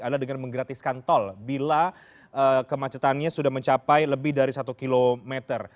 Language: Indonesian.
adalah dengan menggratiskan tol bila kemacetannya sudah mencapai lebih dari satu kilometer